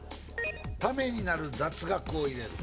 「タメになる雑学を入れる」